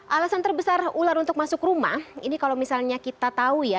alasan terbesar ular untuk masuk rumah ini kalau misalnya kita tahu ya